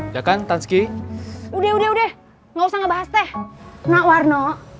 ya kan tansky udah udah udah nggak usah ngebahas teh nak warna